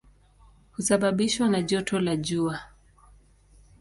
Husababishwa na joto la jua.